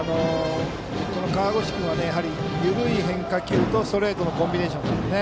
この河越君は緩い変化球とストレートのコンビネーションなのでね。